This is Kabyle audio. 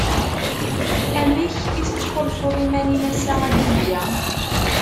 Amek i tettḥulfuḍ iman-im ass-a a Dihya?